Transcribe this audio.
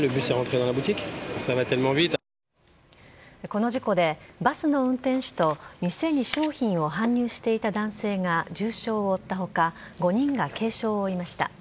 この事故でバスの運転手と店に商品を搬入していた男性が重傷を負った他５人が軽傷を負いました。